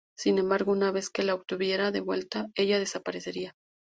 Sin embargo una vez que la obtuviera de vuelta, ella desaparecería.